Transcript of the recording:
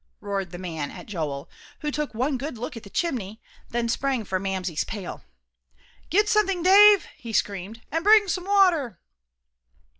roared the man at Joel, who took one good look at the chimney, then sprang for Mamsie's pail. "Get something, Dave," he screamed, "and bring some water."